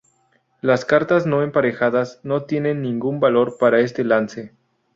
Las cartas no emparejadas no tienen ningún valor para este lance.